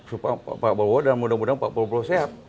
supaya pak prabowo dan mudah mudahan pak prabowo sehat